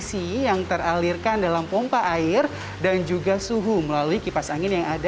kita bisa memprediksi